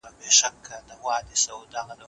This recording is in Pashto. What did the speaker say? مشرانو به د هیواد د وقار ساتلو لپاره هوډ کاوه.